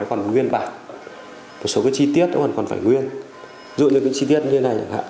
còn nguyên bản một số chi tiết còn phải nguyên dụ như chi tiết như thế này